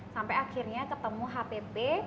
sampai akhirnya ketemu hpp